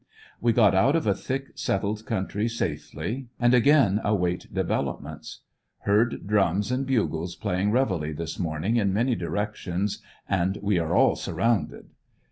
We got out of a thick settled country safely, and ajain await developments. Heard drumS^and bugles playing reveille this morning in many directions, and ''We are all surrounded."